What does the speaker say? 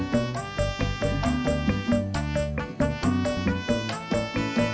pok puntak mulu